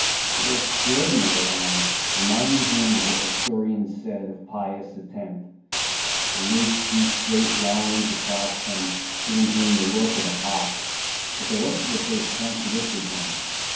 They were extraordinary eyes, reminding him of what historians said of Pius X.; the lids drew straight lines across them, giving him the look of a hawk, but the rest of the face contradicted them.